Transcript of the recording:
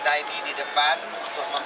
dibasa ada at multipartn